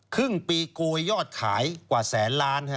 ครึ่งปีโกยยอดขายกว่าแสนล้าน